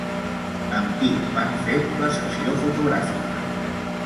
Amb qui van fer la sessió fotogràfica?